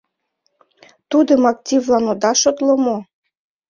— Тудым активлан ода шотло мо?